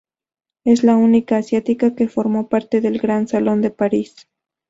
Es la única asiática que formó parte del Gran Salón de París.